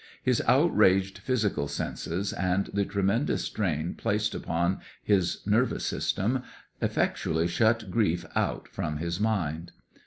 His outraged physical senses, and the tremendous strain placed upon his nervous system, effectually shut grief out from his mind.